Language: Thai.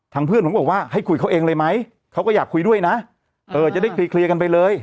เพื่อนผมบอกว่าให้คุยเขาเองเลยไหมเขาก็อยากคุยด้วยนะเออจะได้เคลียร์กันไปเลย